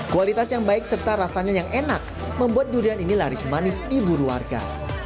kualitas yang baik serta rasanya yang enak membuat durian ini laris manis ibu ruarga